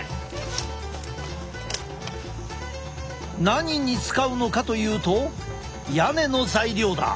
何に使うのかというと屋根の材料だ。